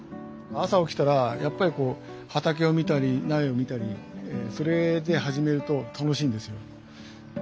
朝起きたらやっぱりこう畑を見たり苗を見たりそれで始めると楽しいんですよね。